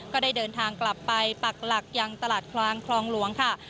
ก็ได้เดินทางกลับไปปักหลักยังตลาดกลางคลองหลวงค่ะ